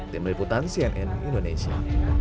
di meliputan cnn indonesia